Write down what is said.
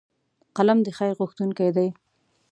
قلم د خیر غوښتونکی دی